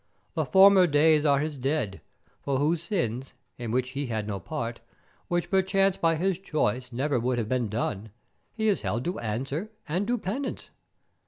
The former days are his dead, for whose sins, in which he had no part, which perchance by his choice never would have been done, he is held to answer and do penance.